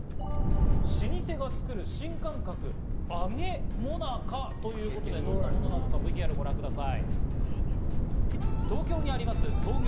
「老舗がつくる新感覚揚げもなか」ということで、どんなものなのか、ＶＴＲをご覧ください。